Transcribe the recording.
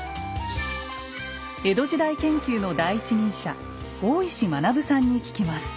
江戸時代研究の第一人者大石学さんに聞きます。